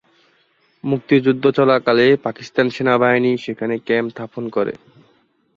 মুক্তিযুদ্ধ চলাকালে পাকিস্তান সেনাবাহিনী সেখানে ক্যাম্প স্থাপন করে।